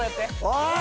おい！